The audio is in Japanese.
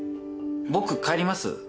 僕帰ります。